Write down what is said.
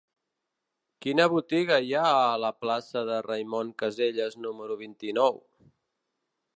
Quina botiga hi ha a la plaça de Raimon Casellas número vint-i-nou?